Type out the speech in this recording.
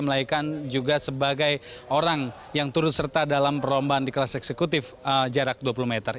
melainkan juga sebagai orang yang turut serta dalam perlombaan di kelas eksekutif jarak dua puluh meter